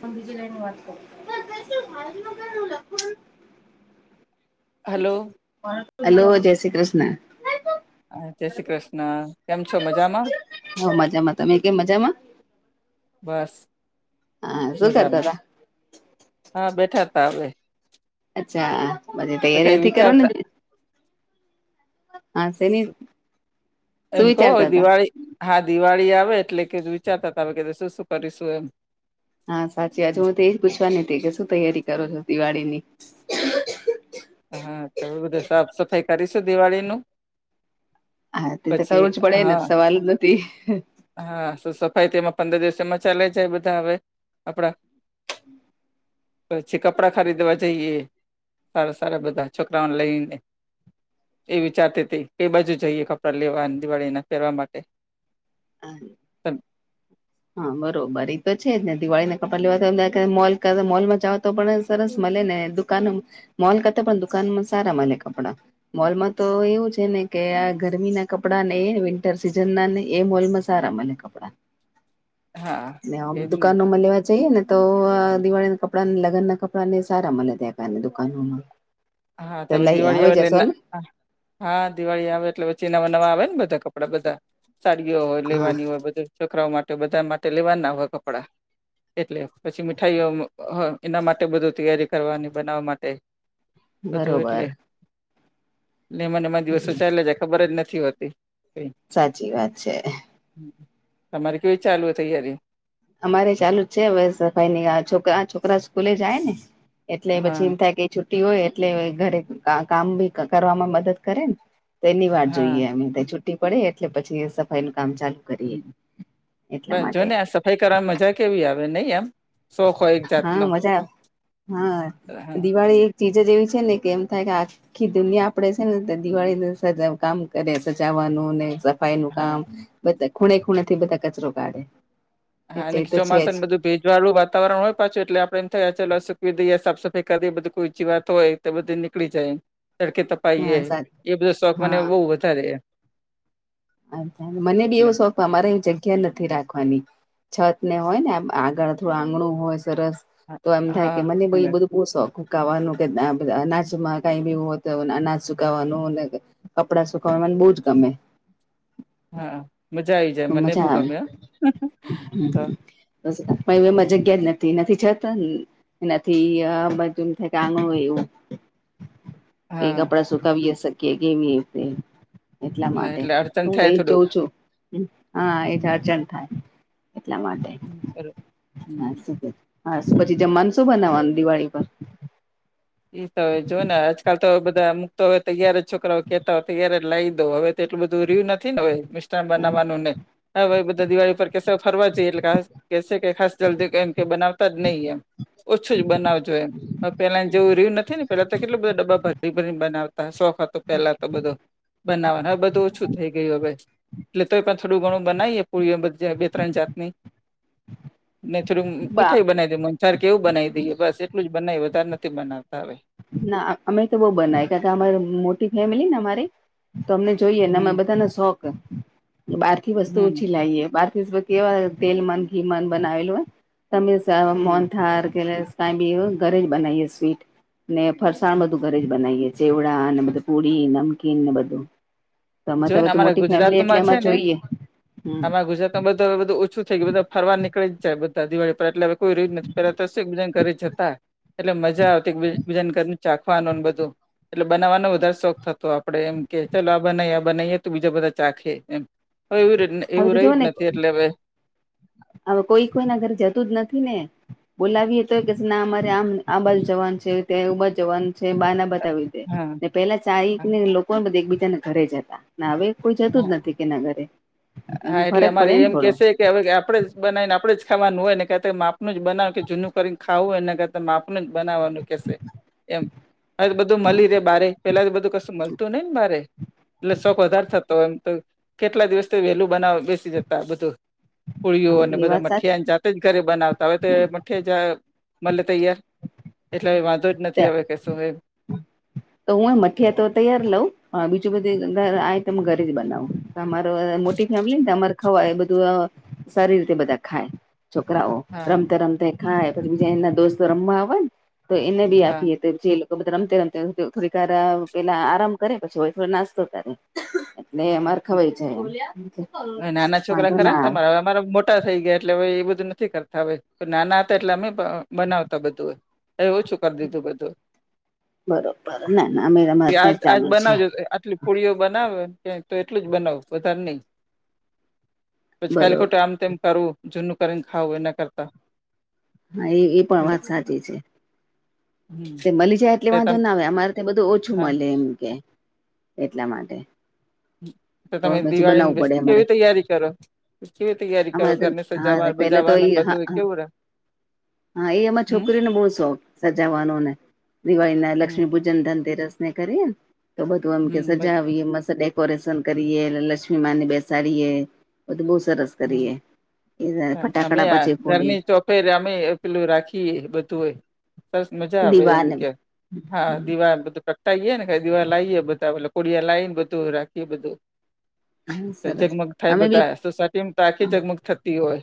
પણ બીજી લઈનની વાત કરો [unintelligible] લખવાનું [inaudible] હલો હલો, જય શ્રી કૃષ્ણ. હા જય શ્રી કૃષ્ણ. કેમ છો મજામાં હ મજામાં તમે કેમ મજામાં બસ હા શું કરતા મજામાં હતા આ બેઠાતા હવે અચ્છા બધીછી તો કઈ તૈયારી નથી કરો ને વિચારતા હા શેની શું એમ તો હવે વિચારતા હતા દિવાળી... હા દિવાળી આવે એટલે કે વિચારતા તા અવે કે શું શું કરીશું એમ... હા સાચી વાત છે હું તે એજ પૂછવાની હતી કે શું તૈયારી કરો છો દિવાળી ની? હા તો હવે બધું સાફ સફાઈ કરીશું દિવાળીનું. હા તે તો કરવું જ પડે ને હા સવાલ જ નથી. હા શું સફાઈ તેમાં પંદર દિવસ એમાં ચાલે જાય બધા આવે આપડા... પછી કપડા ખરીદવા જઈએ. સારા સારા બધા છોકરાઓને લઈને... એ વિચારતી હતી કે કઈ બાજુ જઈએ કપડાં લેવા દિવાળીના પેરવા માટે.. હબ. [inaudible] હા બરોબર ઈ તો છે જ ને દિવાળીના કપડા લેવા મોલ કે મોલમાં જાઓ તો પણ સરસ મળે ને દુકાન મોલ કરતા પણ દુકાનમાં સારા મળે કપડાં. મોલમાં તો એવું છે ને કે આ ગરમી ના કપડા ને એ વિન્ટર સીઝન ના ને એ મોલમાં સારા મળે કપડા હા ને આમ દુકાનોમાં લેવા જઈએ ને તો દિવાળીના કપડા લગ્નના કપડાં ને સારા મળે ત્યા કારની દુકાનોમાં હા ત તો હવે લઈ દિવાળી આવી આવે જશો એટલે ને હા દિવાળી આવે એટલે પછી નવા નવા આવે ને બધા કપડા બધા સાડીઓ હોય હા લેવાની હોય બધી છોકરાઓ માટે બધા માટે લેવાના હોય કપડાં એટલે પછી મીઠાઈઓ એના માટે બધું તૈયારી કરવાની બનાવવા માટે બરોબર. ને એમા ને એમા દિવસો ચાલિયા જાય ખબર જ નથી હોતી કઈ સાચી વાત છે. તમારી કેવી ચાલુ તૈયારી અમારે ચાલુ જ છે હવે સફાઈની આ છોકરા છોકરા સ્કૂલે જાય ને એટલે પછી હા એમ થાય કે છુટી હોય એટલે ઘરે કામ બી કરવામાં મદદ કરે તેની વાટ હા જોઈએ છુટ્ટી પડે એટલે પછી સફાઈનું કામ ચાલુ કરીએ એટલા પણ જો માટે ને આ સફાઈ કરવાની મજા કેવી આવે નઈ એમ શોખ હોય એક હા જાતનો મજા આવે હા દિવાળી એક ચીજ જ એવી છે ને કે એમ થાય કે આ આખી દુનિયા આપડે છે ને તે દિવાળીને સજાવ કામ કરે સજાવાનુંને સફાઈનું હા કામ બધા ખૂણે ખૂણેથી બધા કચરો કાઢે હા એટલે અને એ તો છે જ ચોમાસાને બધું ભેજ વાળું વાતાવરણ હોય પાછું એટલે આપણે એને થયા ચાલો સુકવી દઈએ સાફાઈ કરીએ એ બધું કોઈ વાત હોય. બધી નીકળી જાય કે એ હા સારી એ બધો શોખ મને હા બહું વધારે મને બી એવો એટલે શો અમારે જગ્યા નથી રાખવાની છત ને હોય ને આગળ થોડું આંગણું હોય સરસ હા તો એમ થાય કે હા મને બ હા બો શોખ શુંકાવાનું કે નાચમાં કઈ બી હોય તો નાચ [unintelligible] સુકાવાનું કપડાં સુખવાવામાં મને બહુ જ ગમે. હા મજા આવી જાય મને મજા બહુ આવે ગમે બસ [unintelligible] એમાં જગ્યા જ નથી નથી છત એનાથી બજુમ થ કે આણું હોય એવું કે હા કપડા સુતાવીએ શકીએ કેવી એટલા હા માટે એટલે અડચણ હું થાય કઈ જ થોડુંક જોઉં છું. હા એ હમ, અર્જન્ટ થાય એટલા માટે. બરોબર હમ હ પછી જમવાનું શું બનાવાનું દિવાળી પર? ઈ તોય જો ને આજકાલ તો બધા અમુકતો હોય તો તૈયાર જ છોકરાઓ કેતા હોય તો તય્યારે જ લાવી દો હવે. તેટલું બધું રહ્યું નથી ને મિષ્ટાન બનાવવાનું ને? હા ભાઈ બધા દિવાળી પર સ્પેશિયલ ફરવા જઈએ એટલે કેસે ખાસ જલ્દી એમ કે બનાવતા જ નહી એમ ઓછું જ બનાવજો એમ પેલા જેવું રહ્યું નથી ને પેલા તો કેટલો બધા ડબ્બા ભરી ભરી બનાવતા સોફા તો પેલા તો બધો. બનાવવાનું હવે બધું ઓછું થઈ ગયું હવે. એટલે તો પણ થોડું ઘણું બનાવીએ પુધ બે ત્રણ જાતની ને થોડું બા મીઠાઈ બનાવી દઈ [unintelligible] મ તારે કેવું બનાવી દઈ બસ એટલું જ બનાય વધારે. નથી બનાવતા હોય. ના અમે તો બહુ બનાય કાર કે અમારે મોટી ફેમિલી ને અમારી તો અમને જોઈએ ને હમ અમે બધાનો શોખ બહારથી વસ્તુ હમ ઓછી લાવીએ બાર કેવાય તેલ મન ઘી મન બનાવેલું હો તમે હમ મોનથાર કે તા બી ઘરે જ બનાવીએ સ્વીટ ને ફરસાણ હમ બધું ઘરે જ બનાઈએ ચેવડા અને બધું પુડી નમ કન ને બધું અમે જો તો ને પી અમારા મોટી ફેમિલી એટલે ગુજરાતમાં એમાં જોઈએ, હમ્મ. બધ હ બધું ઓછું થઈ ગય બધા ફરવા નીકળી જાય બધા દિવાળી પર એટલે હ કોઈ રહી નથી પેલા તોશે બી ઘરે જતા એટલે મજા આવતી બીજા ઘ ચાખવાનુંને બધું એટલે બનાવવાનો વધારે શોખ થતો આપ. આપડે એમ કે ચાલ આ બનાવીએ આ બનાવીએ તો બીજા બધા ચાખે એમ. હ એવું હવે એવું તો જોઓ રહી જ ને નથી એટલે હવે હવે કોઈ કોઈના ઘર જતું જ નથી ને. બોલાવીએ તો કે ના અમારે આમ આ બાજુ જવાન છે ત્યાં ઉબાજ બા જવાનું છે બા ના બતાવી. દે હા. ને પેલા હા ચાઇને લોકોને એકબીજાના ઘરે જ હતા કોઈ જતું જ નથી કે ના ઘરે. એમ હા એટલે ફરક અમારે પડે ને એમ થોડો કેશે કે હવે આપણેે જ બનાવીને આપણે જ ખાવાનું હોય ને ક આપણનું જ બનાવ કે જૂનું કરીને ખાવું હોય ને માપનું જ બનાવવાનું કેશે. એમ હવે તો બધું મળી રે બારે પેલા તો બધું કશું મળતું નઈ ને બારે. એટલે શોખ વધારે થતો એમ તો કેટલા દિવસથી વેલું બનાવ બેસી જતા બધું પુળિઓ હા અને એ બધા વાત સાચી મઠીયાન જાતે જ ઘરે બનાવતા હવે તે થે જાય મલે તૈયાર એટલે વાંધો જ નથી આવે કે શું. તો હું મઠીયા તો તૈયાર લઉં હ બીજું બધું આય તમે ઘરે જ બનાવું. તમારે મોટી ફેમિલીને અમારે ખવાય એ બધું સારી રીતે બધા ખાય. છોકરાઓ હા રમતે-રમતે ખાય પછી બીજા એના દોસ્તો રમવા આવન. તો એને બી હા આપીએ તો જે લોકો બધે રમતે-રમતે હુ કેવું થોડીકવાર પેલા આરામ કરે પછી લોકો નાસ્તો કરે એટલે અમાર ખવાઈ જાય. હન, નાના છોકરા વાંધો ના ખરાન આવે તમારા અમારા મોટ ટા થઈ ગયા એટલે હવે એ બધું નથી કરતા હવે, તો નાના હતા એટલે અમે અ બનાવતા બધુ એમ. એવું છુ કરી દીધુ બધુ. બરોબર ના ના અમે એ અમારે ત્યાં આજ-આજ ચાલુ જ છે બનાવજો આટલી પુળીઓ બનાવન કઈક તો એટલી જ બનાવુ વધાર નઈ. પછી ખાલી બરોબર ખોટા આમ તેમ કરવું, જૂનું કરીન ખાવું એના કરતા. હા, એ એ પણ વાત સાચી છે. હમ તો મલી જાય એટલે તે વાંધો તમે ના આવે, અમાર તઈ બધુ ઓછું હા મલે એમ કે એટલા માટે. તો તમે પછી દિવાળીની બનાવવું બેસ પડે અમારે કેવી તૈયારી કરો? કેવી તૈયારી કરો? અમારે તો ઘરની હા સજાવાનુ પેલા તો બજાવાનુ એ ને હા બધુય કેવું રે? હા, એ અમાર છોકરીનો બઉ શોખ સજાવાનોને દિવાળીના હમ લક્ષ્મી પૂજન, ધનતેરસને કરીએન તો બધું આમ કે હમ સજાવીએ [unintelligible] પરેશન કરીએ ને લક્ષ્મીમાંને બેસાડીએ બધુ બઉ સરસ હમ કરીએ, ઈન ફટાકડા પછી ફોડી ફેર અમેય પેલું રાખીએ બધું હોય સરસ મજા આવે એમ દીવાને કે, હા દિવા બધુ [unintelligible] તઈએને કાઈ દિવા લાઈએ બધા ઓલુ કોળીઆ લાઈન બધું રાખીએ બધું. તો સરસ જગમગ થાય અમે બી બધા સોસાયટીમ તો આખી જગમગ થતી હોય.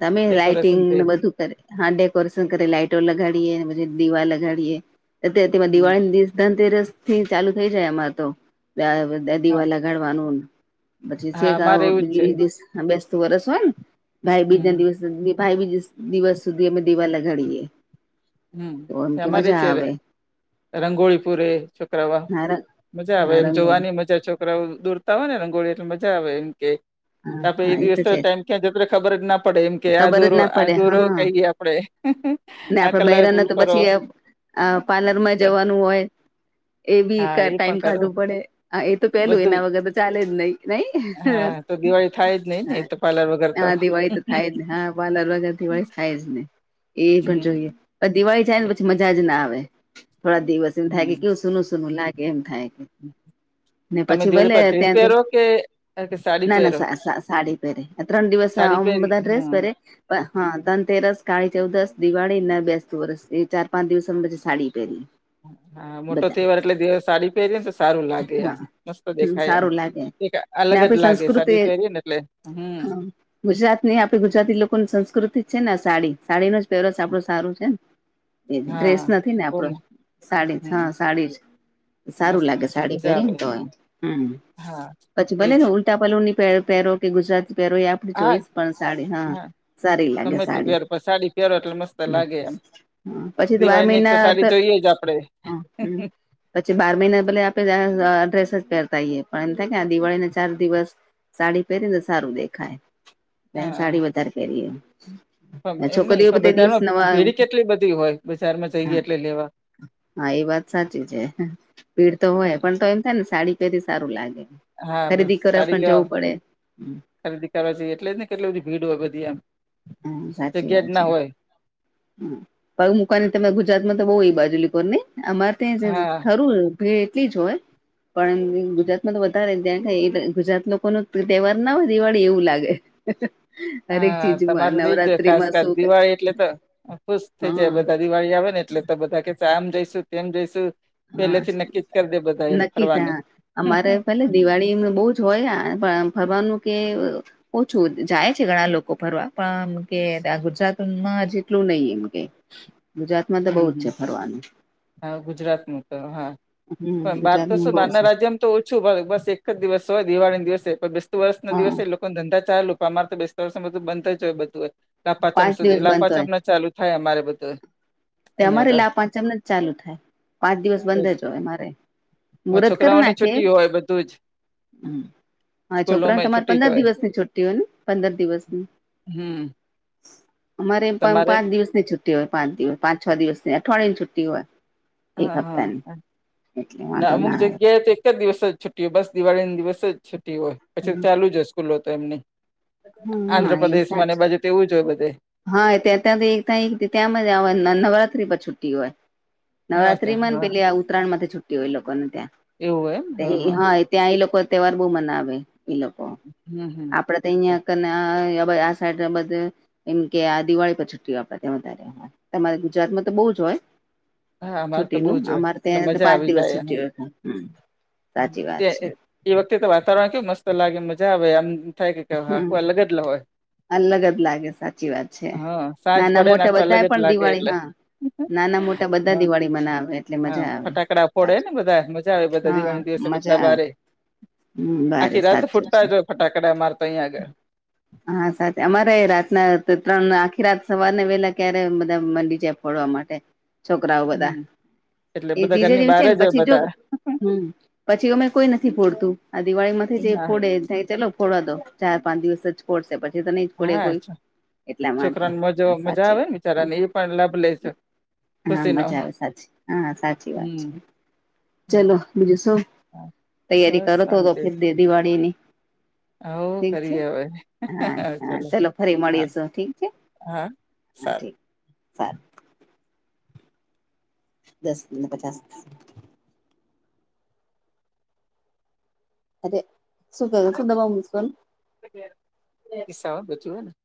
તમે ડેકોરેશન થઈ લાાઈટિંગને બધું કરે. હા, ડેકોરેશન કરીએ, લાઈટો લગાડીએ ન બધે દીવા લગાડીએ. અતે અતેમાં હમ દિવાળીમા દિવસ ધનતેરસથી ચાલુ થઈ જાય આમાર તો હા [unintelligible] [inaudible] પછી હા છેક અવ અમારે એવું જ છે બીજે [unintelligible] દિવસ બેસતું વરસ હોયન હમ ભાઈબીજના દિવસ ભાઈબીજસ દિવસ સુધી અમે દીવા લગાડીએ. હમ્મ, તો એમ એ કે મજા અમારેય આવે [inaudible] રંગોળી પુરે છોકરાવા, હા મજા આવે હા એમ રંગોળી જોવાની મજા છોક છોકરાઓ દોરતા હોયને રંગોળી એટલે મજા આવે એમ કે હા આપડે એ હા દિવસ તો છે જ. ટાઈમ ક્યાં જતો રે ખબર જ ના પડે એમ કે, આ ખબર જ દોરો, ના આ પડે દોરો હા કઈએ આપડે. ને આ આપડે કલર બૈરાને ફૂલ તો કરો પછીય અ પાર્લરમાં જવાનું હોય. એ બી હા કાઈ એ પણ ટાઈમ કરો કાઢવું પડે. હા, એ તો પેલું બધું એના વગર તો ચાલે જ નઈ નઈ હા [inaudible] તો દિવાળી થાય જ નહી ને હઅ, એ તો પાર્લર વગર હઅ તો દિવાળી તો થાય જ નઈ, હઅ, પાલર વગર દિવાળી થાય જ નઈ. એ પણ હમ જોઈએ. પણ દિવાળી જાયન પછી મજા જ ના આવે, થોડા દિવસ જેવું થાય કે હમ કેવું સુનું-સુનું લાગે એમ થાય કે, ને તમે પછી દિવાળી ભલે પર ડ્રેસ ત્યાં તો પહેરો કે કે સાડી ના, ના પહેરો સા સા સાડી પહેરે, અન ત્રણ દિવસ સાડી અમ પહેરી બધા ડ્રેસ હમ પહેરે હન, ધનતેરસ, કાળી ચૌદસ, દિવાળીને, બેસતું વરસ એ ચાર-પાંચ દિવસ અમ પછી સાડી પહેરીએ. હા, મોટો તહેવાર એટલે દિવ સાડી પહેરીએન તો સારુ લાગે એમ, હા મસ્ત હમ દેખાય એમ. સારું લાગે એક ને અલગ જ આપડી લાગે સંસ્કૃતિ સાડી પહેરીએન એટલે હમ્મ. હા ગુજરાતની આપડી ગુજરાતી લોકોન સંસ્કૃતિ છે ને સાડી, સાડીનો જ પેરવેશ આપડો સારો છે ન. [unintelligible] ડ્રેસ હા નથીને આપડો, બમ સાડી છ હઅ હમ સાડી છ. સારું મસ્ત લાગે સાડી મજા આવે પહેરીએન તો એમ. હમ્મ, હા પછી એજ ભલેને ઉ ટા પલ્લુની પે-પેરો કે ગુજરાતી પેરો એ આ હા ચોઈસ પણ સાડી હઅ હા સારી લાગે ગમે તે સાડી પહેરો પણ સાડી પહેરો એટલે મસ્ત લાગે એમ [unintelligible] હઅ, પછી તો બાર દિવાળી ની એક મહિના તો સાડી જોઈએ જ આપડે [inaudible] પછી બાર મહીને ભલે આપે આ ડ્રેસ જ પેરતાઈએ પણ એમ થાય કે આ દિવાળીને ચાર દિવસ સાડી પેરિ તો સારું દેખાય તેમ હા સાડી વધારે પેરીએ પણ એમની પણ બજારમાં ભીડ કેટલી બધી હોય બજારમાં હા જઈએ એટલે લેવા હા એ વાત સાચી છે ભીડ તો હોય હા પણ તો એમ થાય ને સાડી પેરી સારું લાગે હા બ ખરીદી કરવા સાડી પણ લેવા જવું પડે ખરીદી કરવા જયે એટલે જ ને કેટલી બધી ભીડ હોય બધી એમ હા સાચી જગ્યા જ વાત ના છે. હોય પગ મુકાની તમે ગુજરાતમાં તો બઉ ઇ બાજુ લિકોન ને અમારે ત્યા જ હા ખરું ભીડ એટલી જ હોય. પણ એમ ગુજરાતમાં તો વધારે ત્યાં કઈ ગુજરાત લોકોનો તહેવાર ના હોય દિવાળી એવું લાગે. હરેક હા ચીજ તમારે ઇજ હોય ખાસ કરી દિવાળી એટલે તો ખુશ થઈ હા જાય બધા દિવાળી આવે ને એટલે તો. બધા કેશે આમ જઈશું, તેમ જઈશું. હા પેલેથી નક્કી જ કરી દે બધા એમ નક્કી ત ફરવાની અમારે ભલે દિવાળી એમનું બહુ જ હોય આ પણ આમ ફરવાનું કે અ ઓછું. જાય છે ઘણા લોકો ફરવા પણ આમ કે આ ગુજરાતમાં જેટલું નઇ એમ કે. ગુજરાતમાં તો બહુ હમ જ છે હમ ફરવાનું. હા ગુજરાતનું તો હા. હમ પણ બાર તો ગુજરાતમાં શું બહુ બારના છે રાજ્યમ તો ઓછું ભાવે. બસ એક જ દિવસ હોય દિવાળીના દિવસે પણ બેસતુ વર્ષના હા દિવસે એ લોક પન ધંધા ચાલુ પન અમારે તો બેસતા વર્ષમાં બધું બંધ જ હોય બધું લાભપાચમ પાંચ સુધી દિવસ બંધ હોય લાપાચમના ચાલુ જ થાય અમારે બધું. તે અહીં અમારે આગળ લાભપાંચમને જ ચાલુ થાય. પાંચ દિવસ બંધ જ હોય અમારે. અમ છોકરાઓને છુટી હોય બધું જ. હમ હા છોકરાને સ્કૂલોમાં તમારે છુટી જ પંદર હોય દિવસ ની છુટ્ટી હોય ને પંદર દિવસની? હમ અમારે પં તમારે પાંચ દિવસની છુટ્ટી હોય. પાંચ દિવ પાંચ છ દિવસની અઠવાડયાની છુટ્ટી હોય. એક હહ હપ્તાની હહ. એટલે ના વાંધો અમુક જગ્યાએ તો એક જ દિવસ છૂટ ટીઓ બસ દિવાળી ન દિવસ જ છુટી હોય. પછી તો આવે ચાલુ જ હોય સ્કૂલો તો એમની. આંધ્રપ્રદેશમાને એ સાચું બાજુ તે એવું જ હોય બધે. હા એ ત્યાં ત્યાં એક તય ત્યાં મજ આવા ન નવરાત્રી પર છુટી હોય. હા તે નવરાત્રીમાંને હા પેલી આ ઉત્તરાયણ માંથી છુટી હોય એ લોકોને ત્યાં. એવું હોય એમ તે હા એ ત્યાં એ લોકો તહેવાર બહુ મનાવે. એ લોકો હમ હમ. આપડે ત ઈયા કન આ સાઈટે બધે એમ કે આ દિવાળી પર છુટ્ટી આપે ત્યાં વધારે હાં તમારે ગુજરાતમાં તો બઉ જ હોય. હા અમારે તો બહુ છુટીનું જ હોય અમારે એટલે ત્યાં મજા પાંચ આવી દિવસ જાય હમ. છુટ્ટી હોય છે. હ સાચી તે વાત છે. એ વખતે તો વાતાવરણ કેવુ મસ્ત લાગે મજા આવે આમ થાય કે હમ આખું અલગ જ લ હોય. અલગ જ લાગે સાચી વાત છે. હા સાંજ નાના પડે ને મોટા આખું અલગ બધા જ પણ લાગે દિવાળી એટલે હા નાના મોટા બ હા હા ફટાકડા ફોડે ને બધા મજા આવે બધા હા દિવાળીને દિવસે મજા બધા આવે બારે. હમ બારે આખી રાત સાચું ફુટતા છે જ હોય ફટાકડા અમારે ત અઈયા આગળ. હા સાચી અમારેય રાતના ત ત્રણ આખી રાત સવારને વેલા ક્યારે બધા માંડી જાય. ફોડવા માટે છોકરાઓ બધા. હમ એટલે એ બધા જીજ ઘરની એવી છે બહાર ને જ હોય પછી જો બધા હમ પછી ઓમે કોઈ નથી ફોડતું. આ દિવાળીમાંથી જે હા ફોડે તઈ ચલો ફોડવા દો. ચાર પાંચ દિવસ જ ફોડશે. પછી તો નય જ ફોડે હા કોઈ. એટલા માટે છોકરાને મજા મજા સાચી આવે ને બિચારાને એ પણ લાભ લે. હા ખુશી નો મજા આવે સાચી હા સાચી વાત હમ છે. હા ચલો બીજું શું હા, તૈયારી બસ કરો તો તો શાંતિ ફીર દે દિવાળીની હવ ઠીક છે. કરીએ હવે હા હા ચલો ફરી હા મળીશું ઠીક છે. હા હા સારું ઠીક સારું. દસ દીના પચાસ. અરે! [unintelligible] [unintelligible]